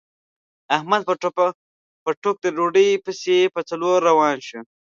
احمد په ټوک ډوډۍ پسې په څلور روان وي.